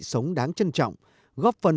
sống đáng trân trọng góp phần